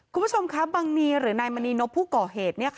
คุณผู้ชมครับบังนีหรือนายมณีนพผู้ก่อเหตุ